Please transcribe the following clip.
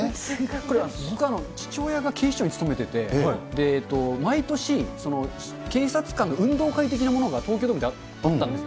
僕、父親が警視庁に勤めてて、毎年、警察官の運動会的なものが東京ドームであったんです。